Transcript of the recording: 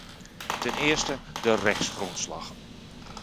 Ten eerste, de rechtsgrondslag.